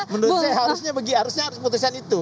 menurut saya harusnya putusan itu